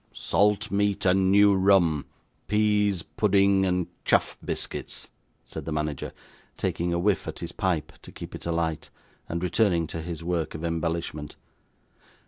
'Salt meat and new rum; pease pudding and chaff biscuits,' said the manager, taking a whiff at his pipe to keep it alight, and returning to his work of embellishment.